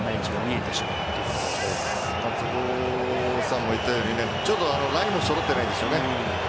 坪井さんが言ったようにちょっとラインもそろってないですよね。